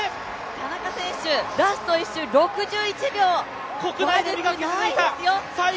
田中選手、ラスト１周６１秒、悪くないですよ。